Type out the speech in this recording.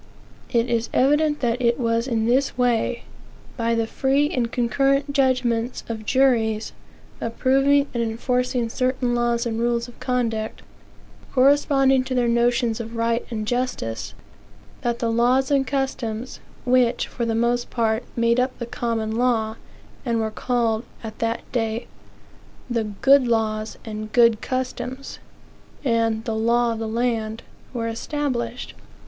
It is evident that it was in this way, by the free and concurrent judgments of juries, approving and enforcing certain laws and rules of conduct, corresponding to their notions of right and justice, that the laws and customs, which, for the most part, made up the common law, and were called, at that day, "the good laws, and good customs," and "the law of the land," were established.